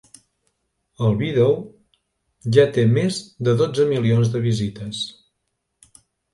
El vídeo ja té més de dotze milions de visites.